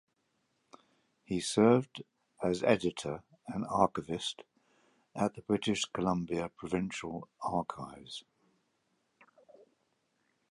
He served as Editor and Archivist at the British Columbia Provincial Archives.